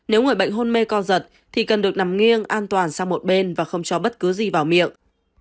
nếu người bệnh hôn mê co giật thì cần được nằm nghiêng an toàn sang một bên và không cho bất cứ gì vào miệng